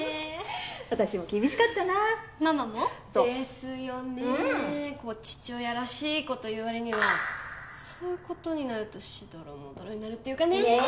私も厳しかったなーママも？ですよね父親らしいこと言うわりにはそういうことになるとしどろもどろになるっていうかね